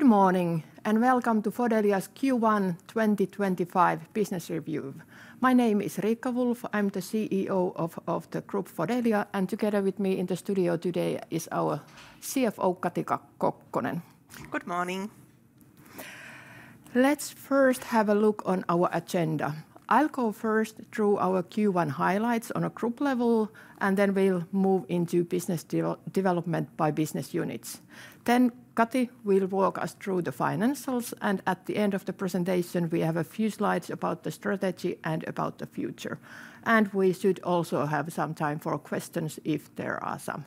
Good morning and welcome to Fodelia's Q1 2025 Business Review. My name is Riikka Wulff. I'm the CEO of the group Fodelia, and together with me in the studio today is our CFO, Kati Kokkonen. Good morning. Let's first have a look at our agenda. I'll go first through our Q1 highlights on a group level, and then we'll move into business development by business units. Then Kati will walk us through the financials, and at the end of the presentation, we have a few slides about the strategy and about the future. We should also have some time for questions if there are some.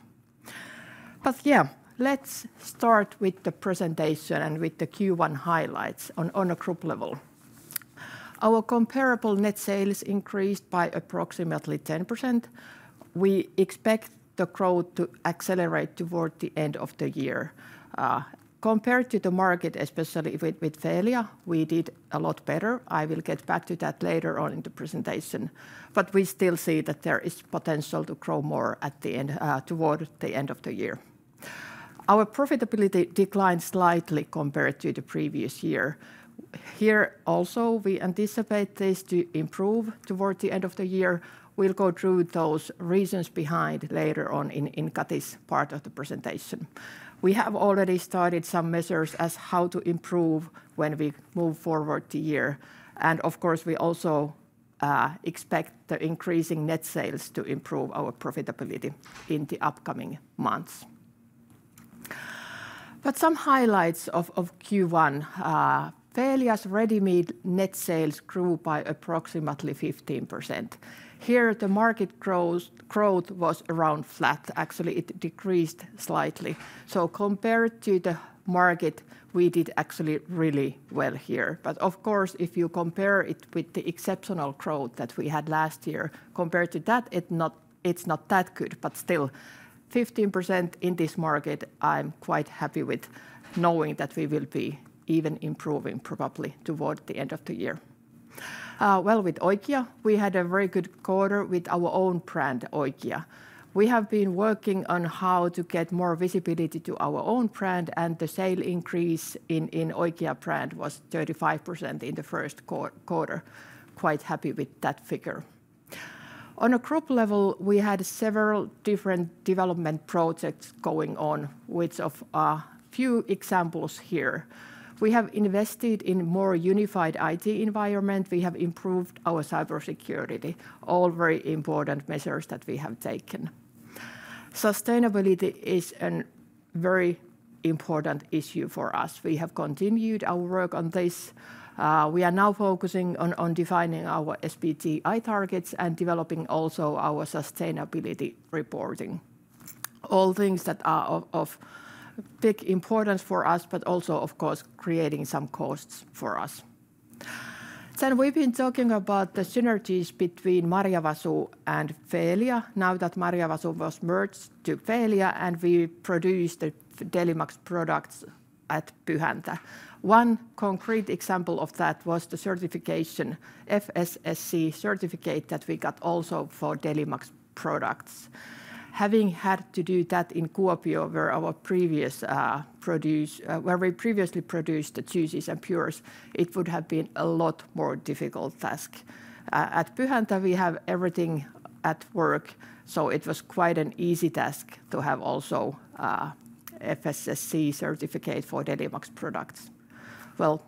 Yeah, let's start with the presentation and with the Q1 highlights on a group level. Our comparable net sales increased by approximately 10%. We expect the growth to accelerate toward the end of the year. Compared to the market, especially with Feelia, we did a lot better. I will get back to that later on in the presentation. We still see that there is potential to grow more at the end toward the end of the year. Our profitability declined slightly compared to the previous year. Here also, we anticipate this to improve toward the end of the year. We will go through those reasons behind later on in Kati's part of the presentation. We have already started some measures as to how to improve when we move forward the year. Of course, we also expect the increasing net sales to improve our profitability in the upcoming months. Some highlights of Q1: Feelia's ready-made net sales grew by approximately 15%. Here, the market growth was around flat. Actually, it decreased slightly. Compared to the market, we did actually really well here. Of course, if you compare it with the exceptional growth that we had last year, compared to that, it is not that good. Still, 15% in this market, I'm quite happy with knowing that we will be even improving probably toward the end of the year. With Oikia, we had a very good quarter with our own brand, Oikia. We have been working on how to get more visibility to our own brand, and the sale increase in Oikia brand was 35% in the first quarter. Quite happy with that figure. On a group level, we had several different development projects going on, which are a few examples here. We have invested in a more unified IT environment. We have improved our cybersecurity. All very important measures that we have taken. Sustainability is a very important issue for us. We have continued our work on this. We are now focusing on defining our SBTI targets and developing also our sustainability reporting. All things that are of big importance for us, but also, of course, creating some costs for us. We have been talking about the synergies between Marjavasu and Feelia. Now that Marjavasu was merged to Feelia, and we produced the Delimax products at Pyhäntä. One concrete example of that was the certification, FSSC certificate, that we got also for Delimax products. Having had to do that in Kuopio, where we previously produced the juices and purées, it would have been a lot more difficult task. At Pyhäntä, we have everything at work, so it was quite an easy task to have also an FSSC certificate for Delimax products.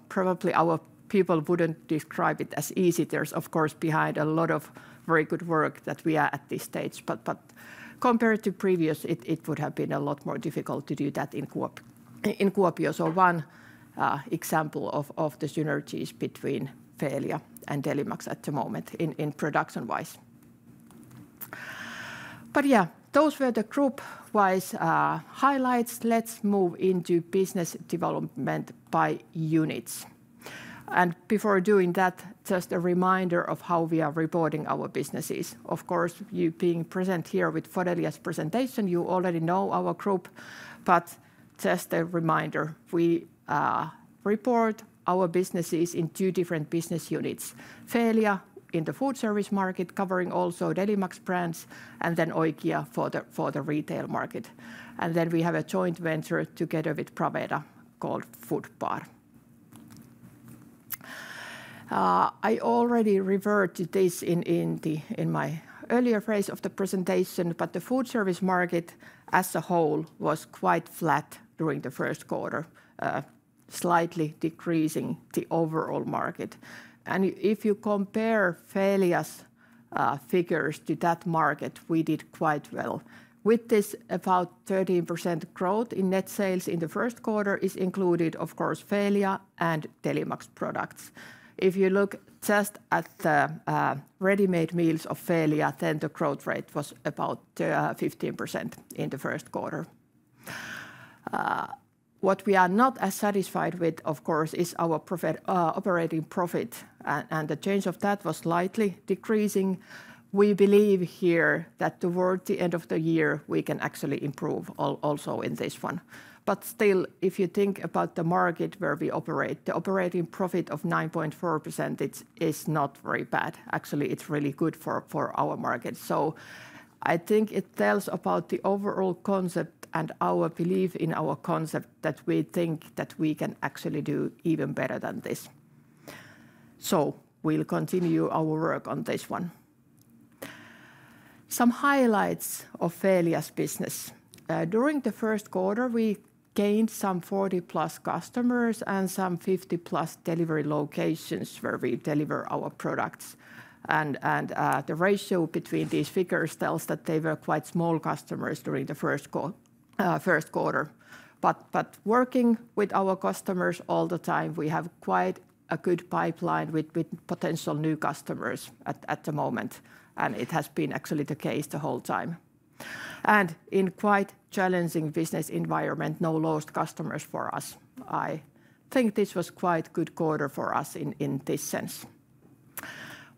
Probably our people would not describe it as easy. There is, of course, behind a lot of very good work that we are at this stage. Compared to previous, it would have been a lot more difficult to do that in Kuopio. One example of the synergies between Fodelia and Delimax at the moment is production-wise. Those were the group-wise highlights. Let's move into business development by units. Before doing that, just a reminder of how we are reporting our businesses. Of course, you being present here with Fodelia's presentation, you already know our group. Just a reminder, we report our businesses in two different business units. Feelia in the food service market, covering also Delimax brands, and then Oikia for the retail market. We have a joint venture together with Bravedo called Fodbar. I already referred to this in my earlier phase of the presentation, but the food service market as a whole was quite flat during the first quarter, slightly decreasing the overall market. If you compare Feelia's figures to that market, we did quite well. With this about 13% growth in net sales in the first quarter is included, of course, Feelia and Delimax products. If you look just at the ready-made meals of Feelia, then the growth rate was about 15% in the first quarter. What we are not as satisfied with, of course, is our operating profit, and the change of that was slightly decreasing. We believe here that toward the end of the year, we can actually improve also in this one. If you think about the market where we operate, the operating profit of EUR 9.4% is not very bad. Actually, it's really good for our market. I think it tells about the overall concept and our belief in our concept that we think that we can actually do even better than this. We'll continue our work on this one. Some highlights of Feelia's business. During the first quarter, we gained some 40 plus customers and some 50 plus delivery locations where we deliver our products. The ratio between these figures tells that they were quite small customers during the first quarter. Working with our customers all the time, we have quite a good pipeline with potential new customers at the moment. It has been actually the case the whole time. In quite challenging business environment, no lost customers for us. I think this was quite a good quarter for us in this sense.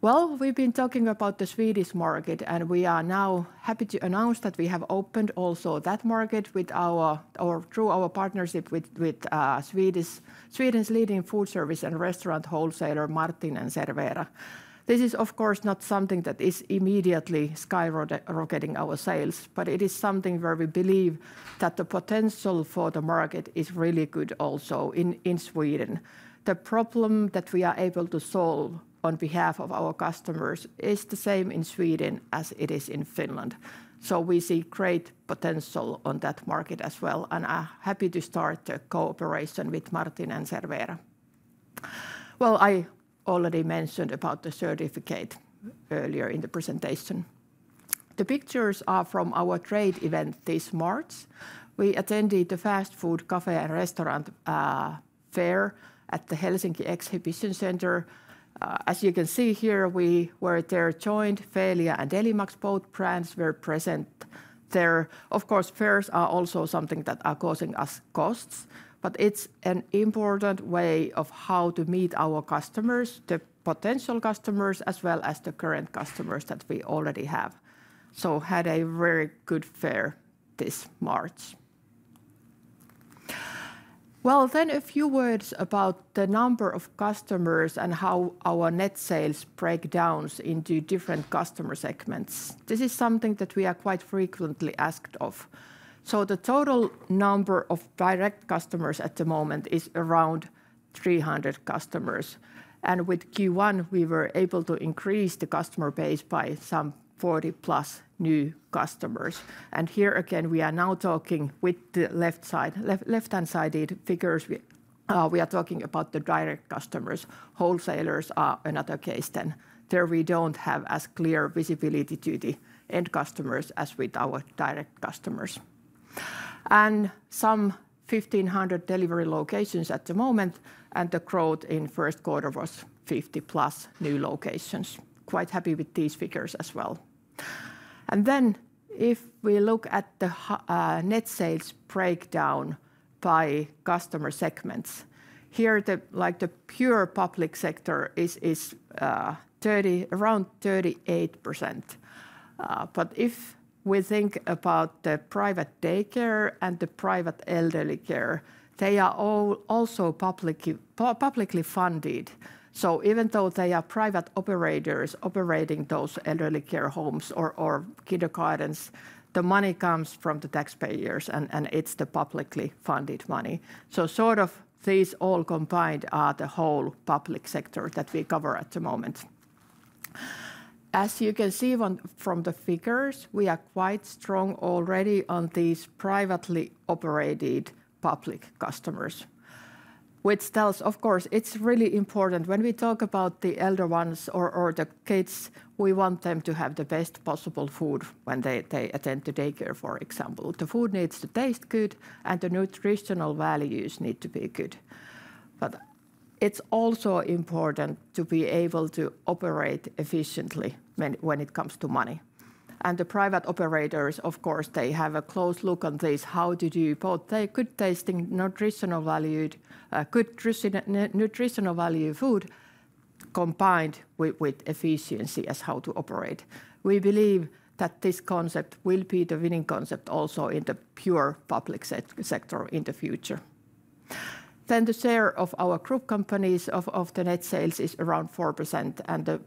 We have been talking about the Swedish market, and we are now happy to announce that we have opened also that market through our partnership with Sweden's leading food service and restaurant wholesaler, Martin & Servera. This is, of course, not something that is immediately skyrocketing our sales, but it is something where we believe that the potential for the market is really good also in Sweden. The problem that we are able to solve on behalf of our customers is the same in Sweden as it is in Finland. We see great potential on that market as well. I am happy to start the cooperation with Martin & Servera. I already mentioned about the certificate earlier in the presentation. The pictures are from our trade event this March. We attended the fast food, café, and restaurant fair at the Helsinki Exhibition Center. As you can see here, we were there, joined Feelia and Delimax, both brands were present there. Of course, fairs are also something that are causing us costs, but it's an important way of how to meet our customers, the potential customers, as well as the current customers that we already have. Had a very good fair this March. A few words about the number of customers and how our net sales break down into different customer segments. This is something that we are quite frequently asked of. The total number of direct customers at the moment is around 300 customers. With Q1, we were able to increase the customer base by some 40-plus new customers. Here again, we are now talking with the left-hand-sided figures. We are talking about the direct customers. Wholesalers are another case then. There we do not have as clear visibility to the end customers as with our direct customers. are some 1,500 delivery locations at the moment, and the growth in first quarter was 50-plus new locations. Quite happy with these figures as well. If we look at the net sales breakdown by customer segments, here the pure public sector is around 38%. If we think about the private daycare and the private elderly care, they are also publicly funded. Even though they are private operators operating those elderly care homes or kindergartens, the money comes from the taxpayers, and it is the publicly funded money. These all combined are the whole public sector that we cover at the moment. As you can see from the figures, we are quite strong already on these privately operated public customers, which tells, of course, it's really important when we talk about the elder ones or the kids, we want them to have the best possible food when they attend the daycare, for example. The food needs to taste good, and the nutritional values need to be good. It is also important to be able to operate efficiently when it comes to money. The private operators, of course, have a close look on this, how to do both good tasting, nutritional value, good nutritional value food combined with efficiency as how to operate. We believe that this concept will be the winning concept also in the pure public sector in the future. The share of our group companies of the net sales is around 4%, and the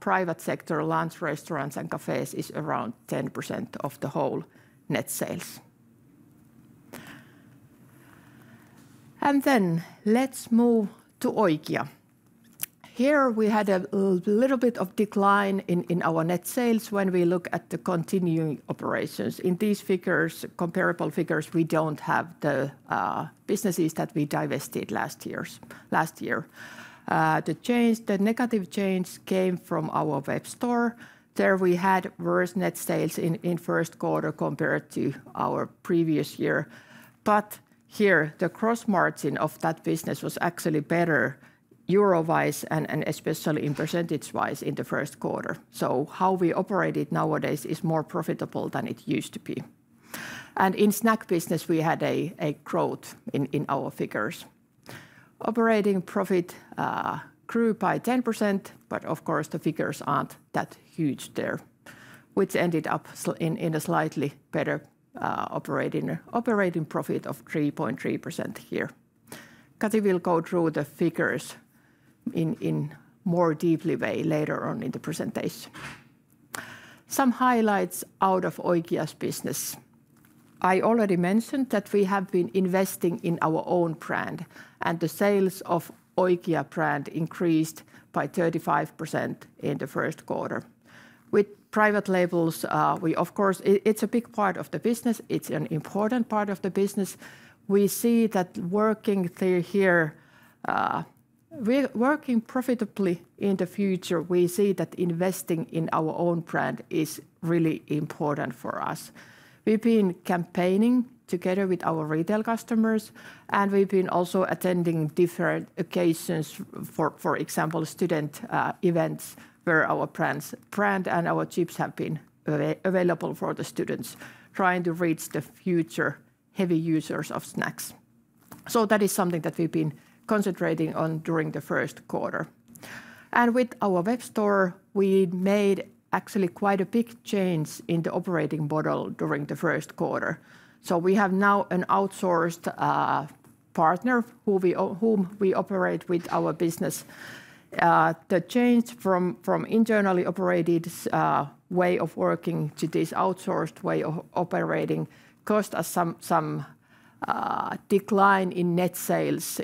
private sector, lunch, restaurants, and cafés is around 10% of the whole net sales. Let's move to Oikia. Here we had a little bit of decline in our net sales when we look at the continuing operations. In these figures, comparable figures, we do not have the businesses that we divested last year. The negative change came from our web store. There we had worse net sales in first quarter compared to our previous year. Here the gross margin of that business was actually better euro-wise and especially in percentage-wise in the first quarter. How we operate it nowadays is more profitable than it used to be. In snack business, we had a growth in our figures. Operating profit grew by 10%, but of course the figures are not that huge there, which ended up in a slightly better operating profit of 3.3% here. Kati will go through the figures more deeply later on in the presentation. Some highlights out of Oikia's business. I already mentioned that we have been investing in our own brand, and the sales of Oikia brand increased by 35% in the first quarter. With private labels, of course, it is a big part of the business. It is an important part of the business. We see that working here, working profitably in the future, we see that investing in our own brand is really important for us. We've been campaigning together with our retail customers, and we've been also attending different occasions, for example, student events where our brand and our chips have been available for the students, trying to reach the future heavy users of snacks. That is something that we've been concentrating on during the first quarter. With our web store, we made actually quite a big change in the operating model during the first quarter. We have now an outsourced partner whom we operate with our business. The change from internally operated way of working to this outsourced way of operating caused us some decline in net sales,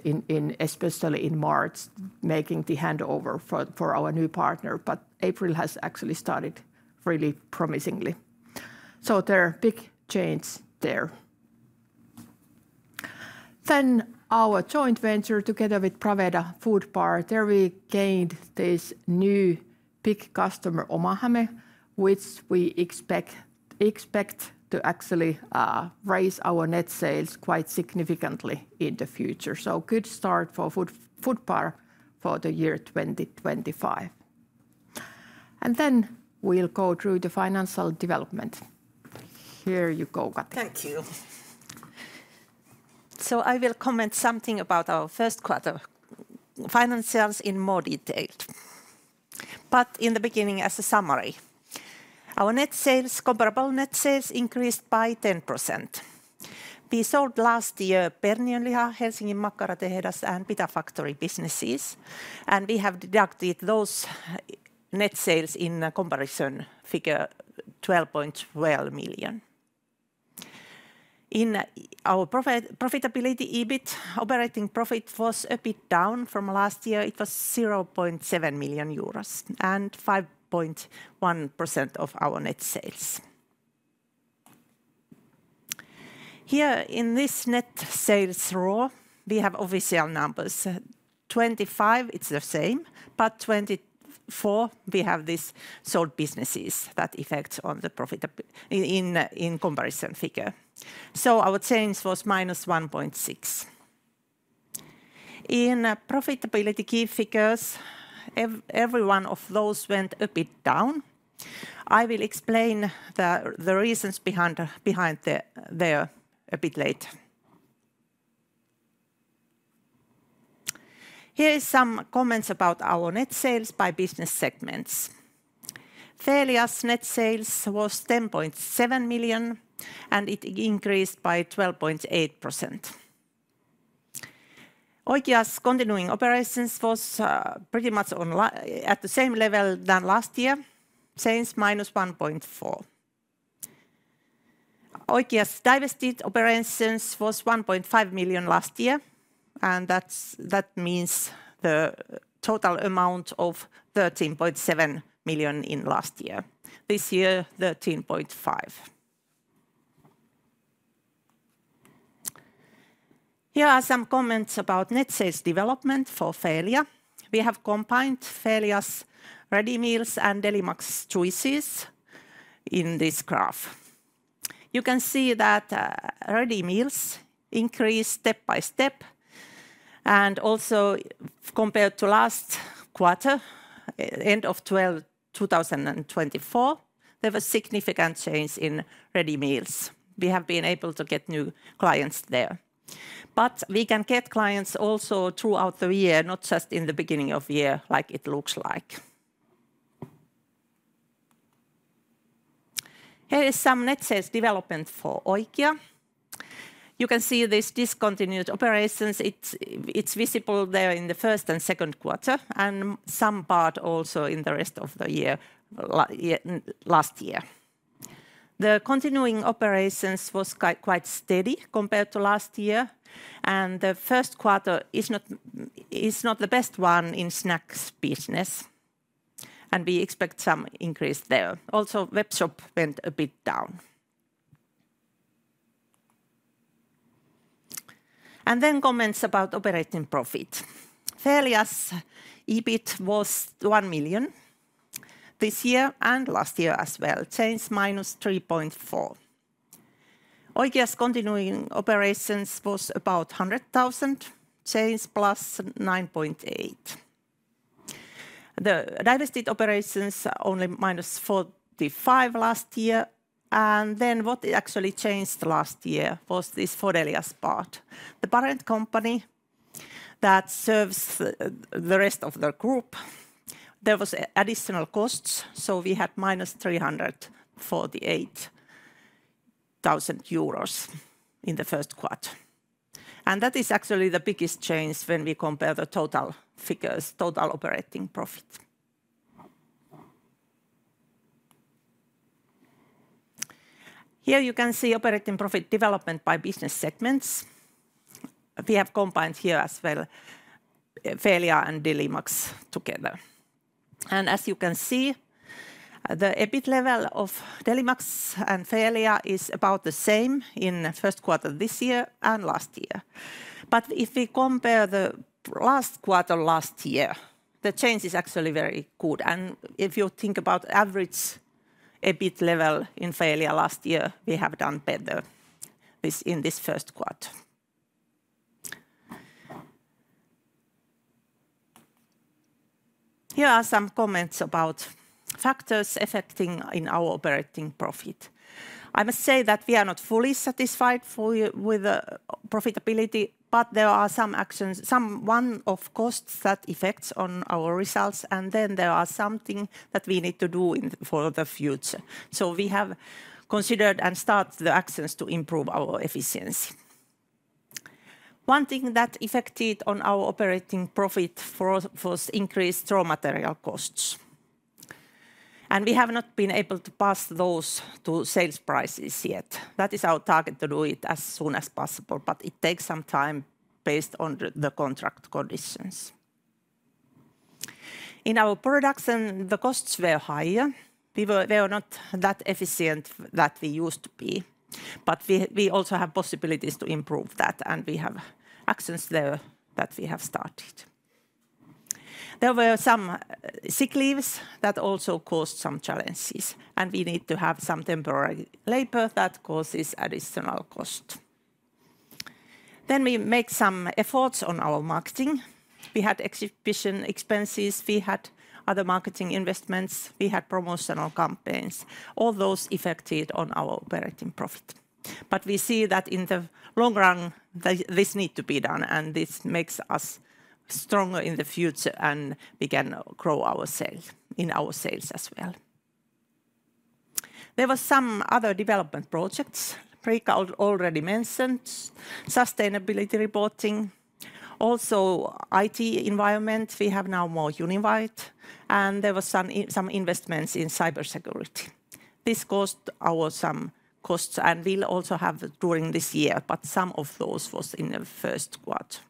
especially in March, making the handover for our new partner. April has actually started really promisingly. There are big changes there. Our joint venture together with Bravedo Fodbar, there we gained this new big customer, Oma Häme, which we expect to actually raise our net sales quite significantly in the future. Good start for Fodbar for the year 2025. We will go through the financial development. Here you go, Kati. Thank you. I will comment something about our first quarter financials in more detail. In the beginning, as a summary, our net sales, comparable net sales, increased by 10%. We sold last year Perniön Liha, Helsingin Makkaratehdas, and Pita Factory businesses, and we have deducted those net sales in comparison figure 12.12 million. In our profitability EBIT, operating profit was a bit down from last year. It was 0.7 million euros and 5.1% of our net sales. Here in this net sales row, we have official numbers. Twenty-five, it's the same, but twenty-four, we have these sold businesses that affect on the profit in comparison figure. Our change was -1.6. In profitability key figures, every one of those went a bit down. I will explain the reasons behind there a bit later. Here are some comments about our net sales by business segments. Feelia's net sales was 10.7 million, and it increased by 12.8%. Oikia's continuing operations was pretty much at the same level than last year. Change -1.4. Oikia's divested operations was 1.5 million last year. That means the total amount of 13.7 million in last year. This year, 13.5 million. Here are some comments about net sales development for Feelia. We have combined Feelia's ready meals and Delimax choices in this graph. You can see that ready meals increased step by step. Also compared to last quarter, end of 2024, there was significant change in ready meals. We have been able to get new clients there. We can get clients also throughout the year, not just in the beginning of the year like it looks like. Here is some net sales development for Oikia. You can see these discontinued operations. It is visible there in the first and second quarter and some part also in the rest of the year last year. The continuing operations was quite steady compared to last year. The first quarter is not the best one in snacks business. We expect some increase there. Also web shop went a bit down. Comments about operating profit. Feelia's EBIT was 1 million this year and last year as well. Change -3.4%. Oikia's continuing operations was about 100,000. Change +9.8%. The divested operations only -45 last year. What actually changed last year was this Fodelia's part. The parent company that serves the rest of the group, there was additional costs. We had -348,000 euros minus in the first quarter. That is actually the biggest change when we compare the total figures, total operating profit. Here you can see operating profit development by business segments. We have combined here as well Feelia and Delimax together. As you can see, the EBIT level of Delimax and Feelia is about the same in the first quarter this year and last year. If we compare the last quarter last year, the change is actually very good. If you think about average EBIT level in Feelia last year, we have done better in this first quarter. Here are some comments about factors affecting our operating profit. I must say that we are not fully satisfied with the profitability, but there are some actions, some one-off costs that affect our results. There are also things that we need to do for the future. We have considered and started the actions to improve our efficiency. One thing that affected our operating profit was increased raw material costs. We have not been able to pass those to sales prices yet. That is our target to do it as soon as possible, but it takes some time based on the contract conditions. In our production, the costs were higher. We were not as efficient as we used to be. We also have possibilities to improve that. We have actions there that we have started. There were some sick leaves that also caused some challenges. We need to have some temporary labor that causes additional cost. We made some efforts on our marketing. We had exhibition expenses. We had other marketing investments. We had promotional campaigns. All those affected our operating profit. We see that in the long run, this needs to be done. This makes us stronger in the future. We can grow our sales as well. There were some other development projects already mentioned. Sustainability reporting. Also IT environment. We have now more univite. There were some investments in cybersecurity. This caused some costs and will also have during this year. Some of those were in the first quarter.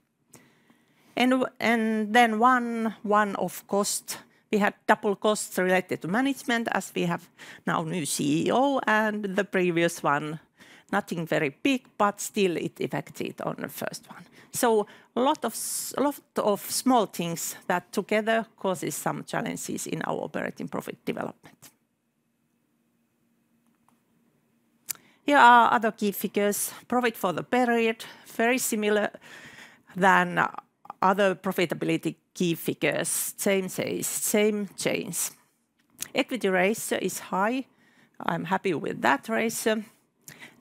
One-off costs. We had double costs related to management as we have now new CEO and the previous one. Nothing very big, but still it affected on the first one. A lot of small things that together cause some challenges in our operating profit development. Here are other key figures. Profit for the period. Very similar than other profitability key figures. Same change. Equity ratio is high. I'm happy with that ratio.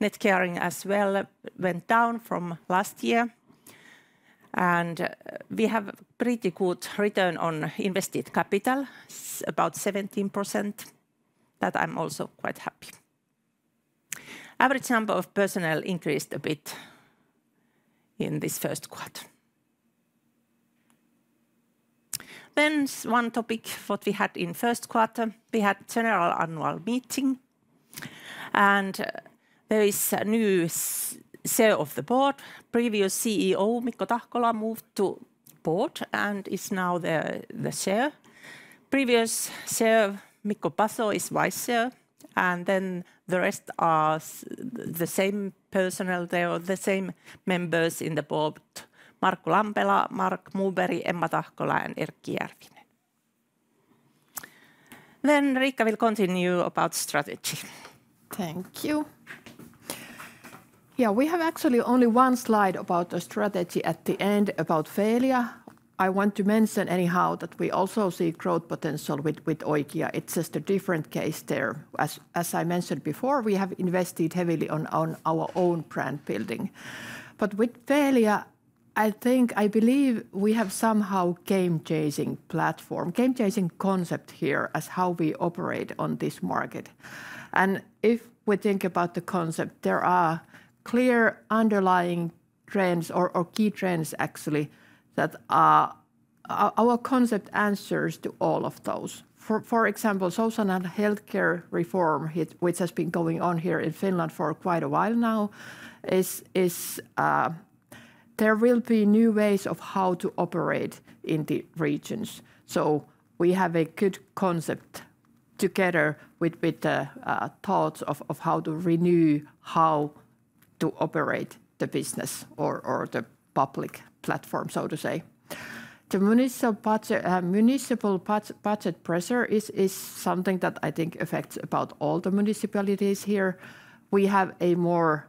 Net carrying as well went down from last year. We have a pretty good return on invested capital. It's about 17%. That I'm also quite happy. Average number of personnel increased a bit in this first quarter. One topic what we had in first quarter. We had general annual meeting. There is a new Chair of the Board. Previous CEO Mikko Tahkola moved to board and is now the Chair. Previous Chair Mikko Paso is Vice Chair. The rest are the same personnel there. The same members in the board. Markku Lampela, Mark Muuberi, Emma Tahkola and Erkki Järvinen. Riikka will continue about strategy. Thank you. Yeah, we have actually only one slide about the strategy at the end about Feelia. I want to mention anyhow that we also see growth potential with Oikia. It's just a different case there. As I mentioned before, we have invested heavily on our own brand building. With Feelia, I think I believe we have somehow game-changing platform, game-changing concept here as how we operate on this market. If we think about the concept, there are clear underlying trends or key trends actually that are our concept answers to all of those. For example, social and healthcare reform, which has been going on here in Finland for quite a while now, there will be new ways of how to operate in the regions. We have a good concept together with the thoughts of how to renew how to operate the business or the public platform, so to say. The municipal budget pressure is something that I think affects about all the municipalities here. We have a more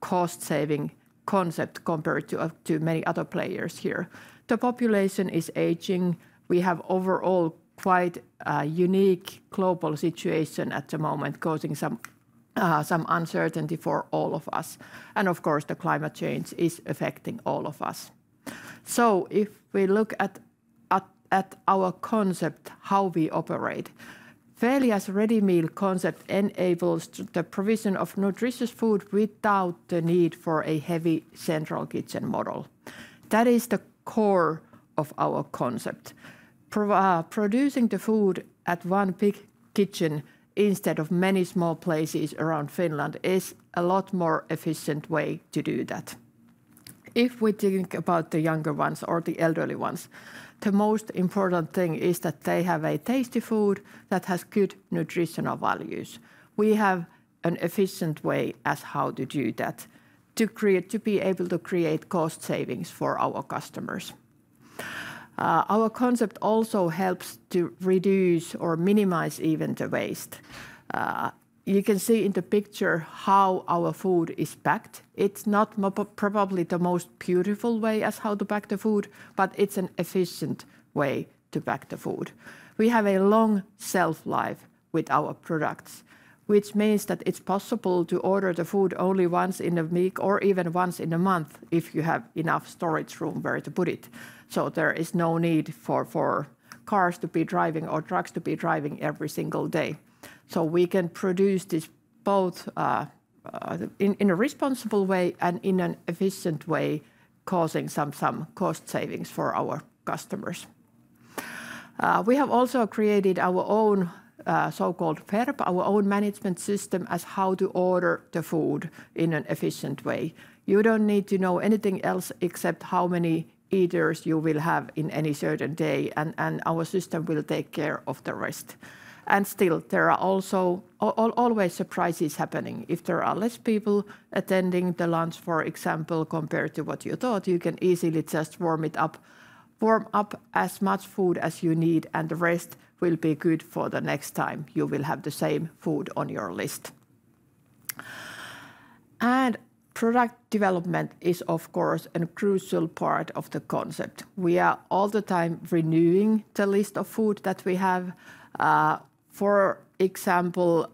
cost-saving concept compared to many other players here. The population is aging. We have overall quite a unique global situation at the moment, causing some uncertainty for all of us. Of course, climate change is affecting all of us. If we look at our concept, how we operate, Feelia's ready meal concept enables the provision of nutritious food without the need for a heavy central kitchen model. That is the core of our concept. Producing the food at one big kitchen instead of many small places around Finland is a lot more efficient way to do that. If we think about the younger ones or the elderly ones, the most important thing is that they have a tasty food that has good nutritional values. We have an efficient way as how to do that, to be able to create cost savings for our customers. Our concept also helps to reduce or minimize even the waste. You can see in the picture how our food is packed. It's not probably the most beautiful way as how to pack the food, but it's an efficient way to pack the food. We have a long shelf life with our products, which means that it's possible to order the food only once in a week or even once in a month if you have enough storage room where to put it. There is no need for cars to be driving or trucks to be driving every single day. We can produce this both in a responsible way and in an efficient way, causing some cost savings for our customers. We have also created our own so-called FERP, our own management system as how to order the food in an efficient way. You do not need to know anything else except how many eaters you will have in any certain day. Our system will take care of the rest. There are also always surprises happening. If there are fewer people attending the lunch, for example, compared to what you thought, you can easily just warm up as much food as you need. The rest will be good for the next time. You will have the same food on your list. Product development is, of course, a crucial part of the concept. We are all the time renewing the list of food that we have. For example,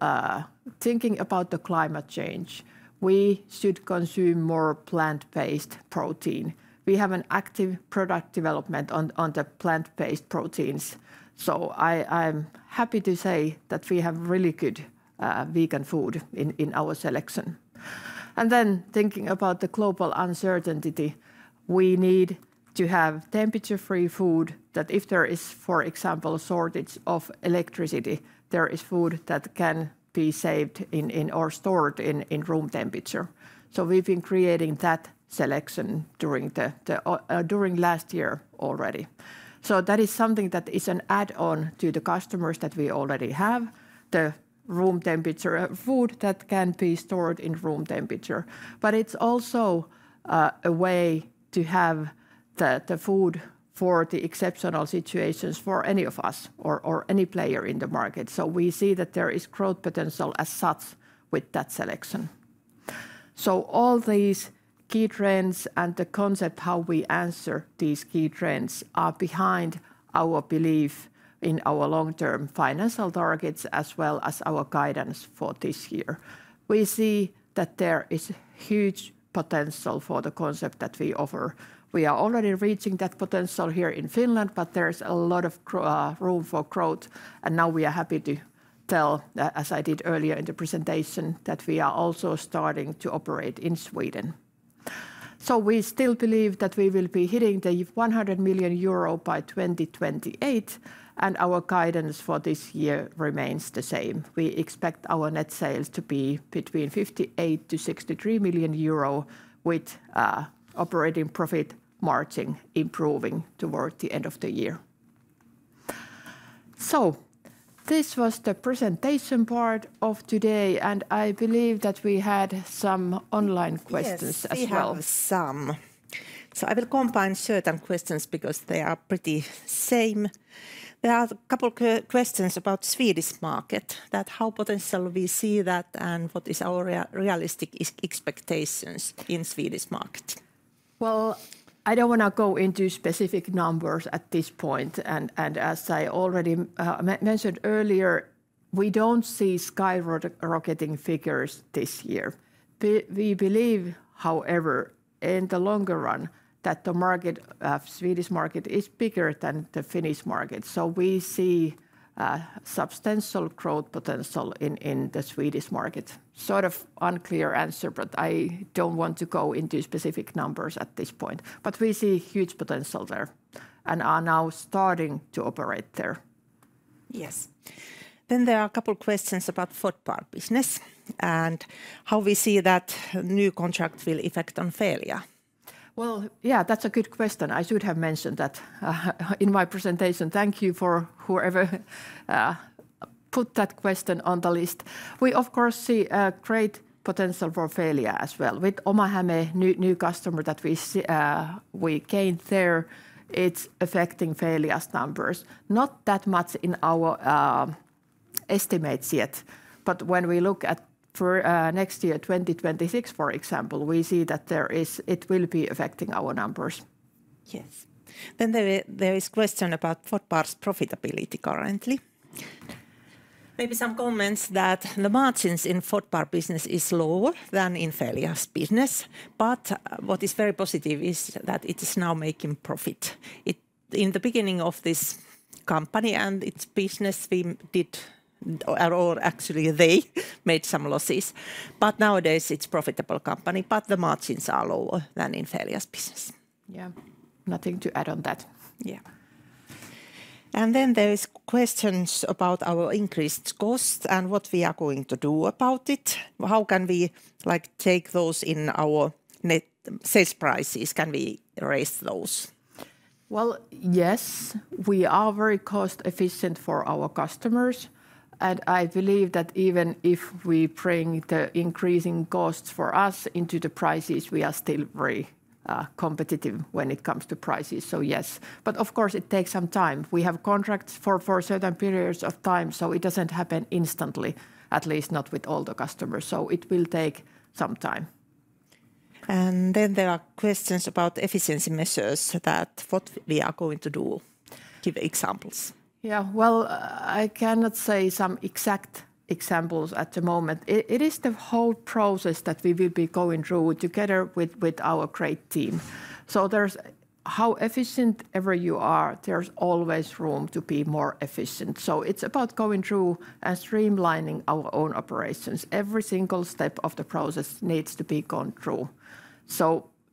thinking about the climate change, we should consume more plant-based protein. We have an active product development on the plant-based proteins. I'm happy to say that we have really good vegan food in our selection. Thinking about the global uncertainty, we need to have temperature-free food that if there is, for example, a shortage of electricity, there is food that can be saved or stored in room temperature. We have been creating that selection during last year already. That is something that is an add-on to the customers that we already have, the room temperature food that can be stored in room temperature. It is also a way to have the food for the exceptional situations for any of us or any player in the market. We see that there is growth potential as such with that selection. All these key trends and the concept how we answer these key trends are behind our belief in our long-term financial targets as well as our guidance for this year. We see that there is huge potential for the concept that we offer. We are already reaching that potential here in Finland, but there's a lot of room for growth. Now we are happy to tell, as I did earlier in the presentation, that we are also starting to operate in Sweden. We still believe that we will be hitting the 100 million euro by 2028. Our guidance for this year remains the same. We expect our net sales to be between 58-63 million euro with operating profit margin improving toward the end of the year. This was the presentation part of today. I believe that we had some online questions as well. We have some. I will combine certain questions because they are pretty same. There are a couple of questions about the Swedish market, that how potential we see that and what is our realistic expectations in the Swedish market. I do not want to go into specific numbers at this point. As I already mentioned earlier, we do not see skyrocketing figures this year. We believe, however, in the longer run that the market, the Swedish market, is bigger than the Finnish market. We see substantial growth potential in the Swedish market. Sort of unclear answer, but I do not want to go into specific numbers at this point. We see huge potential there and are now starting to operate there. Yes. There are a couple of questions about the Fodbar business and how we see that new contract will affect Feelia. That is a good question. I should have mentioned that in my presentation. Thank you for whoever put that question on the list. We, of course, see a great potential for Feelia as well. With Oma Häme, new customer that we gained there, it is affecting Feelia's numbers. Not that much in our estimates yet. When we look at next year, 2026, for example, we see that it will be affecting our numbers. Yes. There is a question about Fodbar's profitability currently. Maybe some comments that the margins in Fodbar business are lower than in Feelia's business. What is very positive is that it is now making profit. In the beginning of this company and its business, we did, or actually they made some losses. Nowadays it's a profitable company. The margins are lower than in Feelia's business. Nothing to add on that. There are questions about our increased costs and what we are going to do about it. How can we take those in our net sales prices? Can we raise those? Yes. We are very cost-efficient for our customers. I believe that even if we bring the increasing costs for us into the prices, we are still very competitive when it comes to prices. Yes. Of course, it takes some time. We have contracts for certain periods of time. It doesn't happen instantly, at least not with all the customers. It will take some time. There are questions about efficiency measures, what we are going to do. Give examples. Yeah. I cannot say some exact examples at the moment. It is the whole process that we will be going through together with our great team. However efficient you are, there is always room to be more efficient. It is about going through and streamlining our own operations. Every single step of the process needs to be gone through.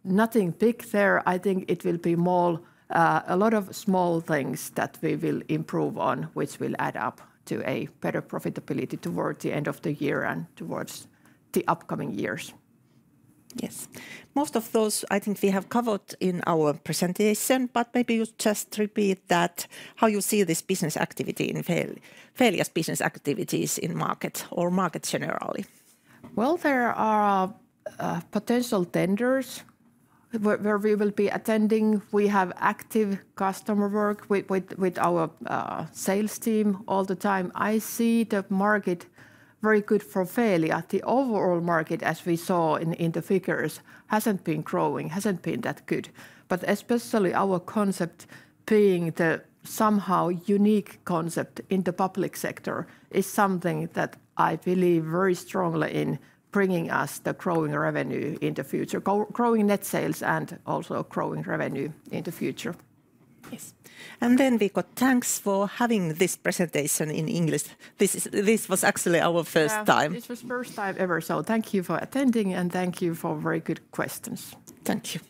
Nothing big there. I think it will be more a lot of small things that we will improve on, which will add up to a better profitability towards the end of the year and towards the upcoming years. Yes. Most of those I think we have covered in our presentation. Maybe you just repeat that how you see this business activity in Feelia, Feelia's business activities in market or market generally. There are potential tenders where we will be attending. We have active customer work with our sales team all the time. I see the market very good for Feelia. The overall market, as we saw in the figures, hasn't been growing, hasn't been that good. Especially our concept being the somehow unique concept in the public sector is something that I believe very strongly in bringing us the growing revenue in the future, growing net sales and also growing revenue in the future. Yes. We got thanks for having this presentation in English. This was actually our first time. This was first time ever. Thank you for attending and thank you for very good questions. Thank you.